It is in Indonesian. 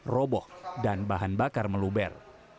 roboh dan bahan bakar meluber